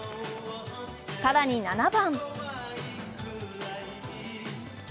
更に７番。